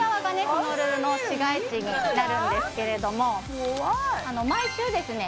ホノルルの市街地になるんですけれども毎週ですね